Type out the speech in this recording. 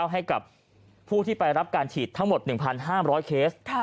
ให้กับผู้ที่ไปรับการฉีดทั้งหมด๑๕๐๐เคส